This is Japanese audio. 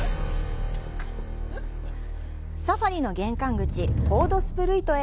サファリの玄関口、ホードスプルイトへ。